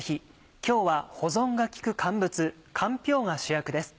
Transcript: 今日は保存が利く乾物かんぴょうが主役です。